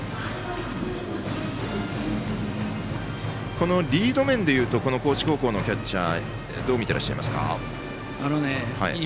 このリード面で言うと高知高校のキャッチャーどう見てらっしゃいますか？